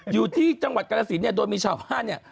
อยู่ที่ชาวบ้านกละสีเนี้ย